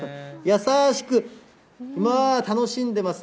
優しく、まあ楽しんでます。